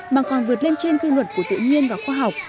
mà còn vượt lên trên quy luật của tự nhiên và khoa học